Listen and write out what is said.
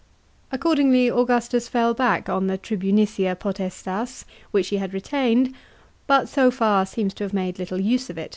Accordingly Augustus fell back on the tribunicia potestas, which he had retained, but so far seems to have made little use of.